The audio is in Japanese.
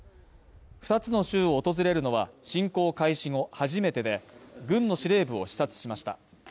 二つの州を訪れるのは、侵攻開始後初めてで、軍の司令部を視察しました。